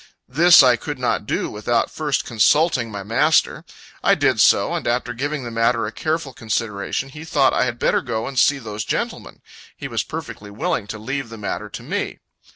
This I could not do, without first consulting my master. I did so, and after giving the matter a careful consideration, he thought I had better go and see those gentlemen he was perfectly willing to leave the matter to me.